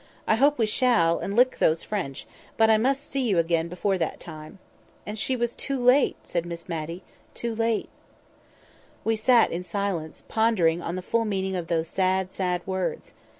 I hope we shall, and lick those French: but I must see you again before that time." "And she was too late," said Miss Matty; "too late!" We sat in silence, pondering on the full meaning of those sad, sad words.